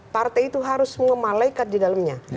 partai itu harus mengemalaikat di dalamnya